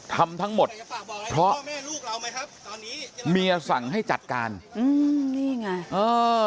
ทำทั้งหมดเพราะเมียศังให้จัดการอืมนี่ไงเอ้อ